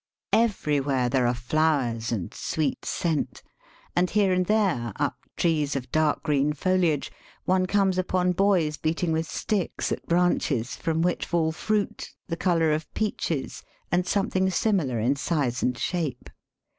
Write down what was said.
Everywhere there are flowers and sweet scent, and here and there, up trees of dark green foliage, one comes upon boys beating with sticks at branches, from which faU fruit, the colour of peaches and something similar in size and shape.